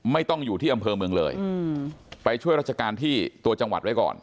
ไม่ต้องอยู่ที่อำเภอเมืองเลยไปช่วยราชการที่ตัวจังหวัดไว้ก่อน